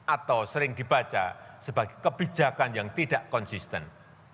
atau sering dibaca sebagai kebijakan yang tidak konsisten